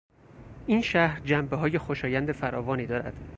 این شهر جنبههای خوشایند فراوانی دارد.